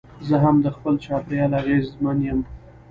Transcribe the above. زه هم د خپل چاپېریال اغېزمن یم.